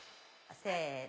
せの。